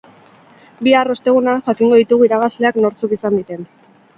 Bihar, osteguna, jakingo ditugu irabazleak nortzuk izan diren.